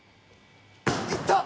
いった！